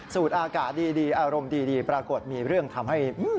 อากาศดีอารมณ์ดีปรากฏมีเรื่องทำให้